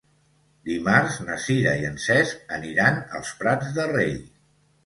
Dimarts na Sira i en Cesc aniran als Prats de Rei.